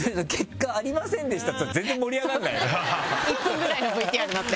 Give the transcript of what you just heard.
１分ぐらいのＶＴＲになって。